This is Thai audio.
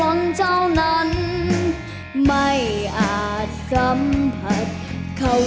ท่าเจ้าไว้จากเราเกิดไปแล้ว